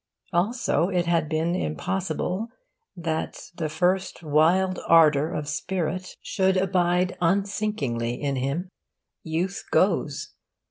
Also, it had been impossible that the first wild ardour of spirit should abide unsinkingly in him. Youth goes.